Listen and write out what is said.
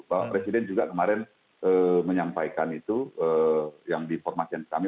pak presiden juga kemarin menyampaikan itu yang di informasi kami